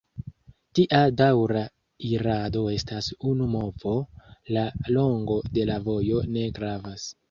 Tia daŭra irado estas unu movo: la longo de la vojo ne gravas.